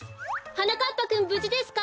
はなかっぱくんぶじですか？